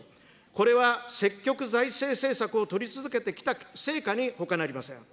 これは積極財政政策を取り続けてきた成果にほかなりません。